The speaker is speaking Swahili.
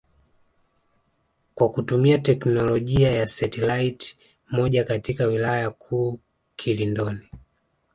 kwa kutumia teknolojia ya setilaiti moja katika wilaya kuu Kilindoni